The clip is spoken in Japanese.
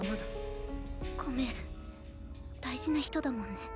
ごめん大事な人だもんね。